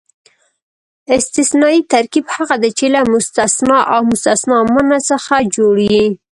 استثنایي ترکیب هغه دئ، چي له مستثنی او مستثنی منه څخه جوړ يي.